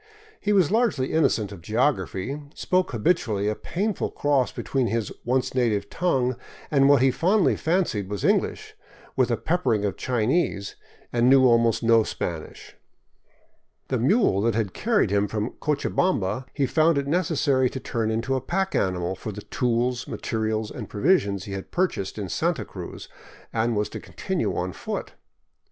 He was largely innocent of geography, spoke habitually a painful cross between his once native tongue and what he fondly fancied was English, with a peppering of Chinese, and knew almost no Spanish. The mule that had carried him from Cochabamba he found it necessary to turn into a pack animal for the tools, materials, and provisions he had purchased in Santa Cruz, and was to continue on foot.